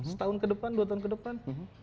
setahun ke depan dua tahun ke depan